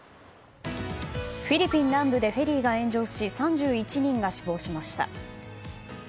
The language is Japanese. フィリピン南部でフェリーが炎上し３１人が死亡しました。